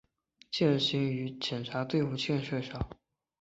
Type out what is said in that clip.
践行于检察队伍建设上